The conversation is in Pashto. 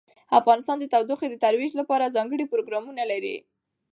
افغانستان د تودوخه د ترویج لپاره ځانګړي پروګرامونه لري.